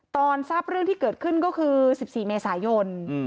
ทราบเรื่องที่เกิดขึ้นก็คือ๑๔เมษายน